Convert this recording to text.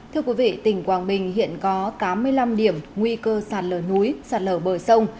thưa quý vị tỉnh quảng bình hiện có tám mươi năm điểm nguy cơ sạt lở núi sạt lở bờ sông